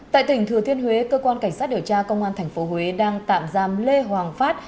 tại tỉnh thừa thiên huế cơ quan cảnh sát điều tra công an tp huế đang tạm giam lê hoàng phát